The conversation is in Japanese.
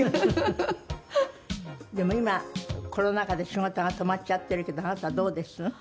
でも今コロナ禍で仕事が止まっちゃってるけどあなたはどうです？